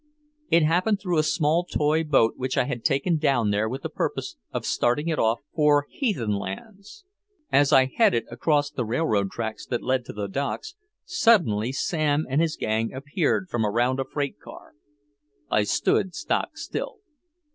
It happened through a small toy boat which I had taken down there with the purpose of starting it off for "heathen lands." As I headed across the railroad tracks that led to the docks, suddenly Sam and his gang appeared from around a freight car. I stood stock still.